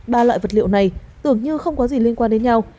ba loại vật liệu này tưởng như không có gì liên quan đến nhau